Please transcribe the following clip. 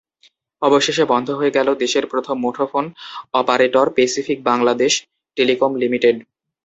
অবশেষে বন্ধ হয়ে গেল দেশের প্রথম মুঠোফোন operator Pacific Bangladesh telecom limited.